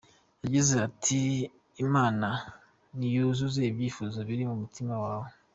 Yagize ati “Imana niyuzuze ibyifuzo biri mu mutima wawe.